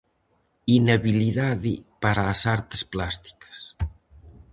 Inhabilidade para as artes plásticas.